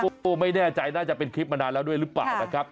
ตัวไม่แน่ใจน่าจะเป็นคลิปมานานแล้วด้วยหรือเปล่านะครับ